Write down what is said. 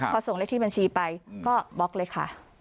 พอส่งเลขที่บัญชีไปก็บล็อกเลยค่ะ